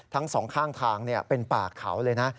ทั้งสองข้างทางเป็นป่าเขาเลยนะ